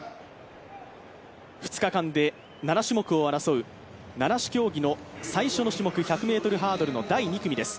２日間で７種目を争う七種競技の最初の種目１００ｍハードルの第２組です。